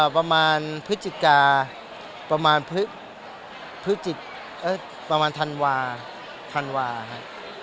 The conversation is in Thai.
ประมาณพฤติกาประมาณพฤติเอ่อประมาณธันวาธันวาฮะ